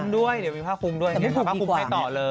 ได้ผ้าคุมด้วย